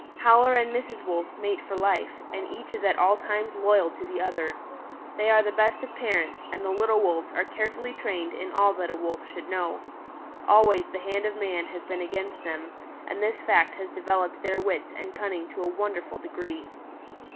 "Howler and Mrs. Wolf mate for life, and each is at all times loyal to the other. They are the best of parents, and the little Wolves are carefully trained in all that a Wolf should know. Always the hand of man has been against them, and this fact has developed their wits and cunning to a wonderful degree.